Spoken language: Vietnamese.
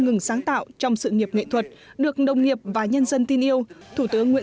ngừng sáng tạo trong sự nghiệp nghệ thuật được đồng nghiệp và nhân dân tin yêu thủ tướng nguyễn